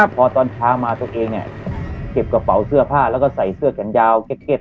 พอตอนเช้ามาตัวเองเนี่ยเก็บกระเป๋าเสื้อผ้าแล้วก็ใส่เสื้อแขนยาวเก็ต